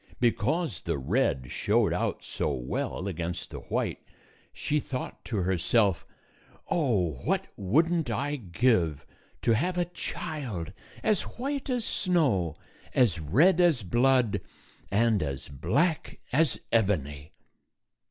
Because the red showed out so well against the white, she thought to herself, " Oh ! 231 What would n't I give to have a child as white as snow, as red as blood, and as black as ebony